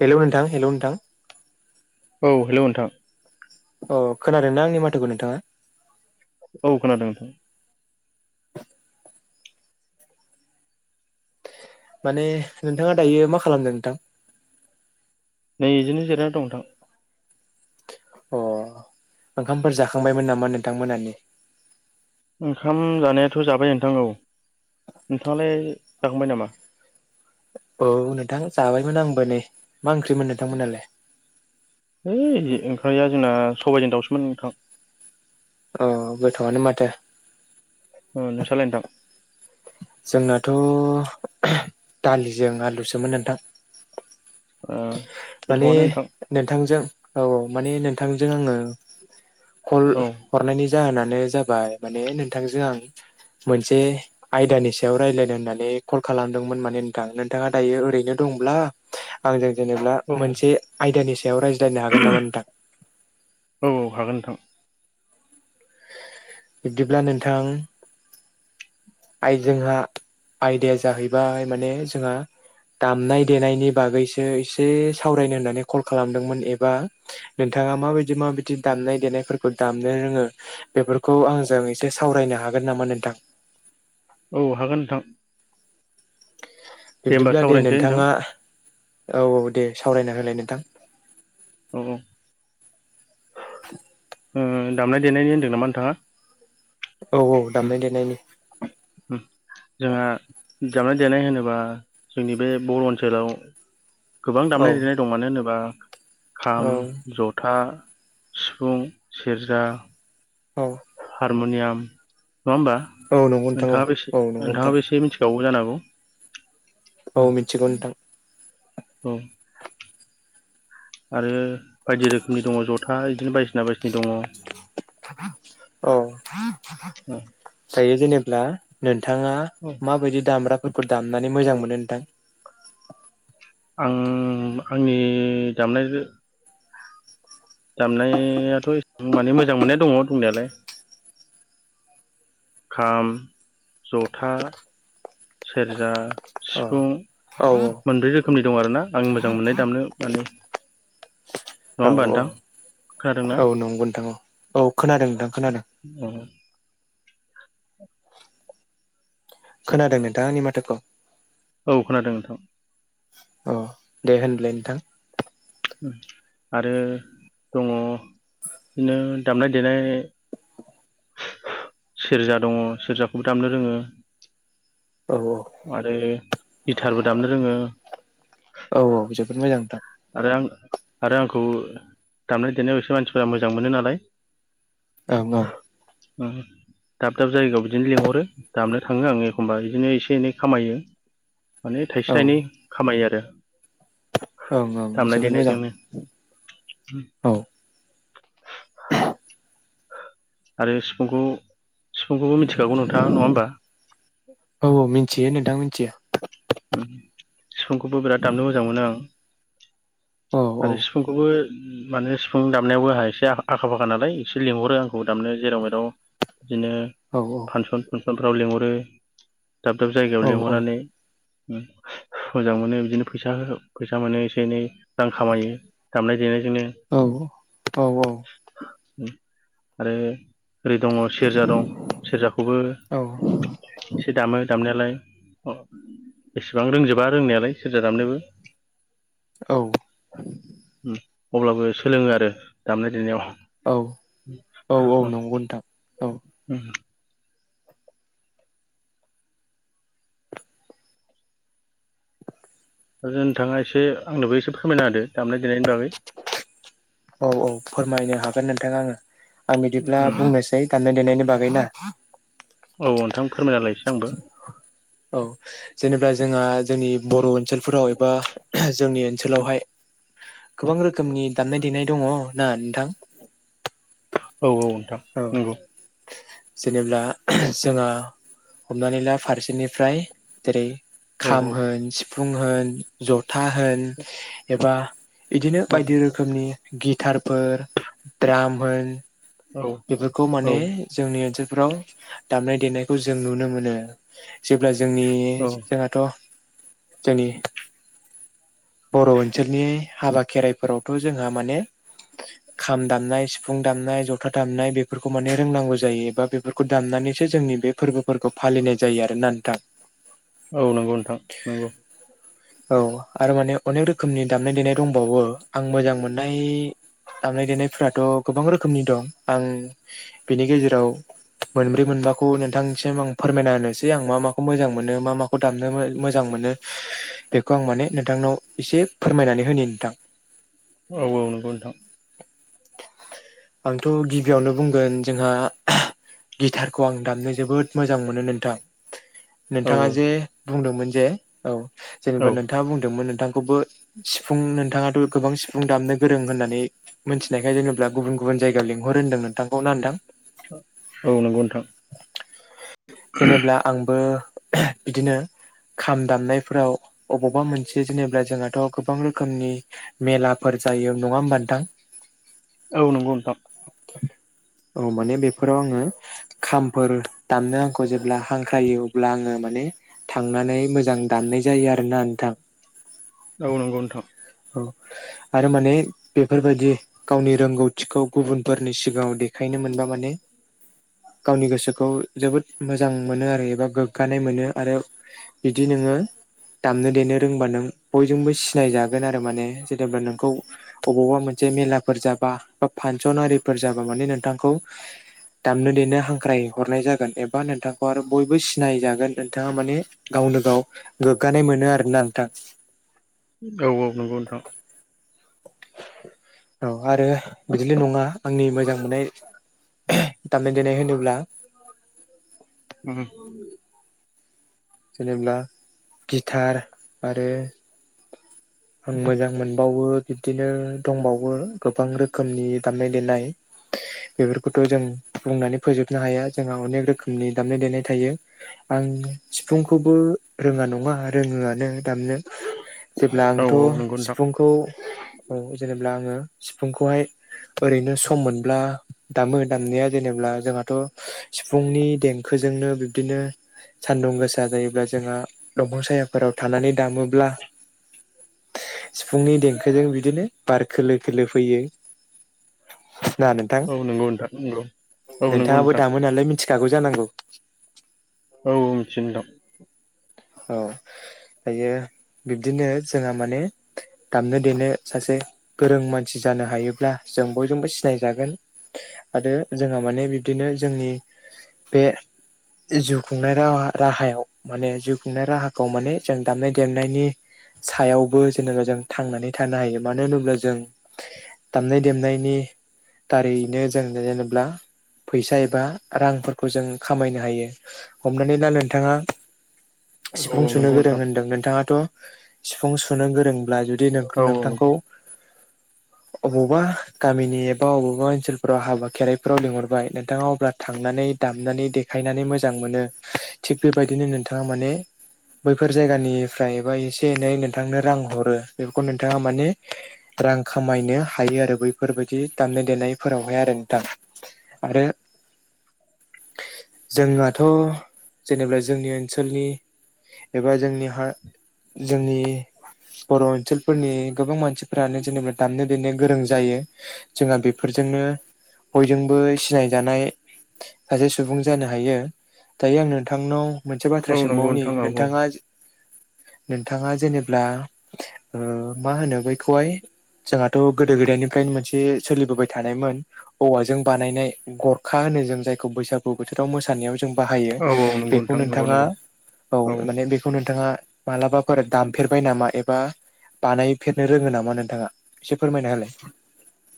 Hello नोंथां hello नोंथां औ हेलौ नोंथां औ खोनादोंना आंनि माथोखौ नोंथाङा औ खोनादों नोंथां माने नोंथाङा दायो मा खालामदों नोंथां नै बिजोंनो जिरना दं नोंथां अ ओंखामफोर जाखांबायमोन नामा नोंथांमोनानि ओंखाम जानायाथ' जाबाय नोंथां औ नोंथाङालाय जाखांबाय नामा? औ नोंथां जाबायमोन आंबो नै मा ओंख्रिमोन नोंथांमोनालाय है ओंख्रैया जोंना सबायजों दाउसोमोन नोंथां। अ गोथावआनो माथो। ओ नोंस्रालाय नोथां? जोंनाथ' दालिजों आलुसोमोन नोंथां। ओ माने गोथावआनो नोंथां नोंथांजों औ औ माने नों थांजों आङो कल औ हरनायनि जाहोना नो जाबाय माने नोंथांजों आं मोनसे आयदानि सायाव रायज्लायनो होननानै कल खालामदोंमोन माने नोंथां, नोंथाङा दायो ओरैनो दंब्ला आंजों जेनेबा औ मोनसे आयदानि सायाव राय औ औ हागोन नोंथां बिदिब्ला नोंथां आइ जोंहा आयदाया जाहैबाय माने जोंहा दामनाय-देनायनि बागैसो एसे सावरायनो होननानै खल खालामदोंमोन एबा नोंथा ङा माबायदि माबायदि दामनाय-देनायफोरखौ दामनो रोङो बेफोरखौ आंजों एसे सावरायनो हागोन गोन नामा नोंथां? औ हागोन नोंथां होमबा बिब्दिब्ला दे सावरायनोसै नोंथां नोंथाङा औ औ दे सावरायना होलाय नोंथां औ औ ओ दामनायदेनायनि होनदों नामा नोंथाङा? औ औ उम दामनाय देनायनि [unintelligible] उम जोंहा दामनाय-देनाय होनोबा जोंनि बे बर' ओनसोलाव गोबां औ दामनाय-देनाय दं मानो होनोबा खाम, औ जथा, सिफुं, सेरजा, औ हारम'नियाम नङा होमबा नंगौ नोंथां औ नोंथाङाबो एसे औ नंगौ नोंथां नोंथाङाबो एसे मिनथि खागौ जानांगौ औ मिनथिगौ नोंथां औ आरो बायदि रोखोमनि दङ' जथा इदिनो बायदिसिना बायदिसिनि दङ' औ उम दायो जेनेब्ला नोंथाङा माबायदि दाम [unintelligible] फोरखो दामनानै मोजां मोनो नोंथां? आं आंनि दामनाय जो दामनायाथ' एसेबां माने मोजां मोननाया दङ' दंनायालाय खाम, जथा, सेरजा, अ सिफुं औ मोनब्रै रोखोमनि दं आरोना आं मोजां मोननाय दामनो माने नङा औ होमबा औ नोंथां खोनादोंना औ नंगौ नोंथां औ औ खोनादों नोंथां खोनादों औ खोनादों नोंथां आंनि माथोखौ औ खोनादों नोंथां अ दे होनब्लाय नोंथां उम आरो दङ' इनो दामनाय-देनाय सेरजा दङ' सेरजाखौबो दामनो रोङो औ आरो गिथारबो दामनो रोङो औ औ जोबोद मोजां नोंथां आरो आं आरो आंखौ दामनाय-देनायावसो मानसिफोरा मोजां मोनो नालाय ओं ओं [unintelligible] दाब दाब जायगायाव बिदिनो लिंहरो दाबनो थाङो आङो एखमबा बिदिनो एसे एनै खामायो माने थाइसे औ थाइनै खामायो आरो ओं दामनाय जोबोद मोजां देनायजोंनो औ आरो सिफुंखौ सिफुंखौबो मिथिखागौ नोंथाङा नङा होमबा औ औ मिनथियो नोंथां मिनथियो उम सिफुंखौबो बिराद दामनो मोजां मोनो आं औ आरो सिफुंखौबो माने स सिफुं दामनायावबो आहा एसे आखा फाखा नालाय एसे लेंंहरो आंखौ दामनो जेराव मेराव इनो औ फांसन फुनसनफ्राव लिंहरो दाब दाब औ जायगायाव औ लिंहरनानै उम मोजां मोनो बिदिनो फैसा होहो फैसा मोनो एसे एनै रां खामायो दामनाय देनायजोंनो [unintelligible] औ औ आरो ओरै दङ' सेरजा दं सेरजाखौबो औ एसे दामो दामनायालाय। एसेबां रोंजोबा रोंनायालाय सोरजा दामनोबो। अब्लाबो सोलोङो आरो दामनाय देनायाव। औ औ अ। नंगौ नोंथां औ [unintelligible] आरो नोंथाङा एसे आंनोबो एसे फोरमायना होदो दामनाय देनायनि बागै। औ औ फोरमायनो हागोन नोंथाङा आङो आं बिदिब्ला बुंनोसै दामनाय देनायनि बागै ना? औ नोंथां फोरमायना होलेय इसे आंनोबो । औ जेनेबा। जोंहा जोंनि बर' ओनसोलफोराव एबा जोंनि ओनसोलावहाय। गोबां रोखोमनि दामनाय देनाय दङ' ना नोंथां। औ औ नोंथां औ नंगौ। जेनेब्ला जोंहा हमनानै ला फारसेनिफ्राय जेरै। औ खाम होन सिफुं होन जथा होन एबा इदिनो बायदि रोखोमनि गिटारफोर द्राम होन औ बेफोरखौ औ माने जोंनि ओनसोल फोराव दामनाय देनायखौ जों नुनो मोनो जेब्ला जोंनि औ जोंहाथ' जोंनि बर' ओनसोलनि हाबा खेराइफोरावथ' जोंहा माने खाम दामनाय सिफुं दामनाय ज था दामनाय बेफोरखौ माने रोंनांगौ जायो एबा बेफोरखौ दामनानैसो जोंनि बे फोरबोफोरखौ फालिनाय जायो आरो ना नोंथां औ नंगौ नोंथां नंगौ औ आरो माने अनेक रोखोमनि दामनाय देनाय दंबावो आं मोजां मोननाय। दामनाय देनायफथ' गोबां रोखोमनि दं आं बेनि गेजेराव मोनब्रै मोनबाखौ नोंथांसिम आं फोरमायना होनोसै आं मा माखौ मोजां मोनो मा माखौ दामनो मोजां मोनो । बेखौ आं माने नोंथांनाव इसे फोरमायनानै होनो नोंथां औ औ नंगौ नोंथां आंथ' गिबियावनो बुंगोन जोंहा गिटारखौ आं दामनो जोबोद मोजां मोनो नोंथां औ नोंथाङा जे बुंदोंमोन जे औ औ जेनेबा नोंथाङा बुंदोंमोन नोंथांखौबो सिफुं नोंथाङाथ' गोबां सिफुं दामनो गोरों होन्नानै मोनथिनायखाय जेनोबा गुबुन गुबुन जायगायाव लिंहरो होनदों नोंथांखौना नोंथां। औ नंगौ नोंथां जेनेब्ला आंबो बिदिनो खाम दामनायफोराव अबावबा मोनसे जेनेबा जोंहाथ' गोबां रोखोमनि मेलाफोर जायो नङा होमबथां औ नंगौ नोंथां। औ माने बेफोराव आङो खामफोर दामनो आंखौ जेब्ला हांख्रायो अब्ला आङो माने थांनानै मोजां दाननाय जायो आरोना नोंथां ओ नंगौ नोंथां औ आरो माने बेफोरबायाददि गावनि रोंगौथि खौ गुबुनफोरनि सिगाङाव देखायनो मोनबा माने गावनि गोसोखौ जोबोद मोजां मोनो आरो एबा गोग्गानाय मोनो आरो बिदिनो [unintelligible] दामनो देनो रोंबा नों बयजोंबो सिनायजागोन आरो माने जेनेबा नोंखौ अबावबा मोनसे जे मेलाफोर जाबा बा फांसन आरिफोर जाबा माने नोंथांखौ दामनो देनो हांख्राय हरनाय जागोन एबा नोंथांखौ आरो बयबो सिनाय जागोन नोंथाङा माने गाव गावनो गाव गोग्गानाय मोनो आरो ना नोंथां औ ओ नंगौ नोंथां औ आरो बिदिल' नङा आंनि मोजां मोननाय। दामनाय- देनाय होनोब्ला उम। जेनेब्ला गिटार आरो [unintelligible] आं मोजां मोनबावो बिबदिनो दंबावो गोबां रोखोमनि दामनाय -देनाय [unintelligible] बेफोरखौथ' जों बुंनानै फोजोबनो हाया जोंहा अनेक रोखोमनि दामनाय- देनाय थायो आं सिफुंखौबो रोङा नङा रोङोआनो दामनो जेब्ला औ आंथ' नंगौ नोंथां सिफुंखौ औ जेनेबा आङो। सिफुंखौहाय ओरैनो सम मोनब्ला दामो दामनाया जेनेब्ला जोंहाथ' सिफुंनि देंखो बेजोंनो बिबदिनो सान्दुं गोसा जायोब्ला जोंहा दंफां सायाफोराव थानानै दामोब्ला सिफुंनि देंखोजों बिदिनो बार खोलो -खोलो फैयो। ना नोंथां? औ नंगौ नोंथां नंगौ औ नंगौ नोंथाङाबो नोंथां दामो नालाय मिथिखागौ जानांगौ। औ मिथियो नोंथां। औ दायो बिब्दिनो जोंहा माने दामनो देनो सासे गोरों मानसि जानो हायोब्ला जों बयजोंबो सिनायजागोन। आरो जोंहा माने बिब्दिनो जोंनि बे जिउ खुंनाय रा- राहायाव माने जिउ खुंनाय राहाखौ माने जों दामनाय- देनायनि सायावबो जेनेबा जों थांनानै थानो हायो। मानो होनोब्ला जों दामनाय -देनायनि दारैनो जों जेनोब्ला फैसा एबा रांफोरखौ जों खामायनो हायो ।हमनानै लाा नोंथाङा औ सिफुं औ सुनो नंगौ गोरों नोंथां होनदों नोंथाङाथ' सिफुं सुनो गोरोंब्ला जुदि दि औ नंगौ नोंथांखौ [unintelligible] अबावबा गामिनि एबा बबावबा ओनसोलफोराव हाबा खेरायफोराव लिंहरबाय नोंथाङा अब्ला थांनानै दामनानै देखायनानै मोजां मोनो थिग बेबायदिनो नोंथाङा माने बैफोर जायगानिफ्राय एसे एनै नोंथांनो रां हरो बेफोरखौ नोंथाङा माने रां खामायनो हायो आरो बैफोरबायदि दामनाय- देनायफोरावहाय आरो नोंथां आरो [unintelligible] जोंहाथ' जेनेबा जोंनि ओन ओनसोलनि एबा जोंनि हा जोंनि बर' ओनसोलफोरनि गोबां मानसिफोरानो जेनेबा दामनाय देनो गोरों जायो जोंहा बे फोरजोंनो बयजोंबो सिनाय जानाय सासे सुबुं जानो हायो दायो आं नोंथांनाव मोनसे औ बाथ्रा नंगौ सोंबावनि नोंथां औ नोंथाङा नोंथाङा जेनेब्ला ओ मा होनो बैखौहाय जोंहाथ' गोदो -गोदायनिफ्रायनो मोनसे सोलिबोबाय थानायमोन औवाजों बानायनाय गरखा जों जायखौ बैसागु बोथोराव मोसानायाव जों बाहायो औ नंगौ बेखौ नोंथां नंगौ नोंथाङा नंगौ औ माने बेखौ नों नोंथाङा मालाबाफोर दामफेरबाय नामा एबा बानायफेरनो रोङो नामा नोंथाङा एसे फोरमायना होलाय।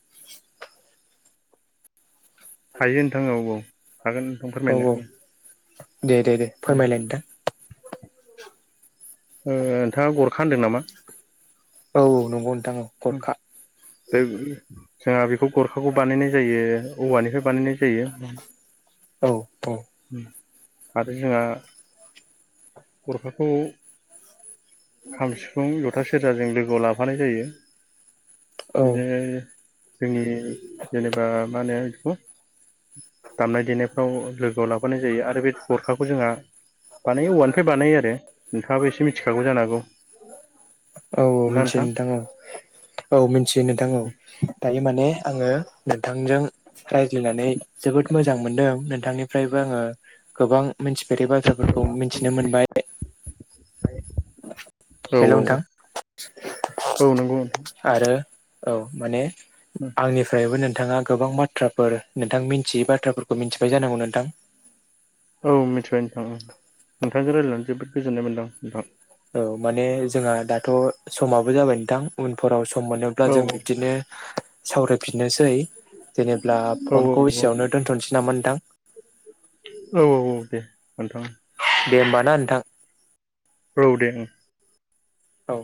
[unintelligible] हायो नोंथां औ औ। हागोन नोंथां औ फोरमायनो औ उम दे दे दे उम फोरमायलाय नोंथां। नोंथाङा गरखा होनदों नामा? औ नंगौ नोंथां औ उम गरखा जोंहा बेखौ गरखाखौ बानायनाय जायो औवानिफ्राय बानायनाय जायो। औ - औ। आरो जोंहा गरखाखौ खाम, सिफुं, जथा सेरजाजों लोगोआव लाफानाय जायो। औ जे जोंनि जेनेबा मा होनो बेखौ दामनाय देनायफ्राव लोगोआव लाफ हरनाय जायो आरो बे गरखाखौ जोंहा बानायो औवानिफ्राय बानायो आरो नोंथाङाबो एसे मिथिखागौ जानो हागौ। औ - औ मिथियो नोंथां औ -औ मिथियो नोंथां औ। दायो माने आङो नोंथांजों रायज्लायनानै जोबोद मोजां मोनदों नोंथांनिफ्रायबो आङो गोबां मिथि जेरै बाथ्राफोरखौ मिथिनो मोनबाय औ हेल' नोंथां। औ औ नंगौ आरो औ माने नोंथां आंनिफ्रायबो नो नोंथाङा गोबां बाथ्राफोर नोंथां मिथियै बाथ्राफोरखौ मिथिबाय जानांगौ नोंथां। औ मिथिबाय नोंथांं नोंथांजों रायजलायनानै जोबोद गोजोननाय मोनदां औ। औ माने जोंहा दाथ' समाबो जाबाय नोंथां उनफोराव सम सम मोनोब्ला औ जों बिदिनो सावरायफिननोसै। जेनेबब्ला औ औ फनखौ नंगौ एसेयावनो नोंथां दोन्थ'सै नामा नोंथां औ। दे होमबा ना नोंथां। औ दे। औ